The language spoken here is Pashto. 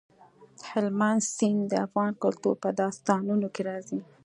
هلمند سیند د افغان کلتور په داستانونو کې راځي.